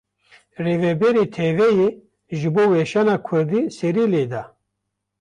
Rivebirê tv yê, ji bo weşana Kurdî serî lê da